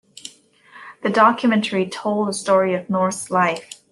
The documentary told the story of North's life.